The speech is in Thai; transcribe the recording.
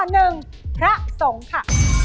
ข้อ๑พระสงค์ค่ะ